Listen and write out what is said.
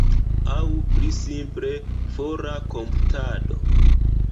Aŭ pli simple, fora komputado.